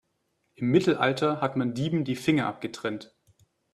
Im Mittelalter hat man Dieben die Finger abgetrennt.